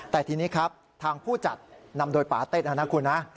แต่ทีนี้ครับทางผู้จัดนำโดยปาเต็ดนะคุณนะ